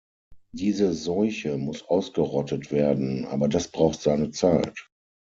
Diese Seuche muss ausgerottet werden, aber das braucht seine Zeit.